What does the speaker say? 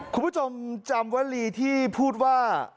คุณผู้ชมจำวลีที่พูดว่า